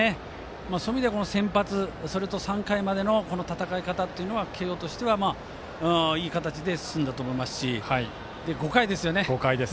そういう意味では先発３回までの戦い方というのは慶応としてはいい形で進んだと思いますし５回ですよね。